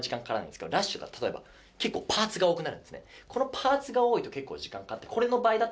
パーツが多いと結構時間かかって。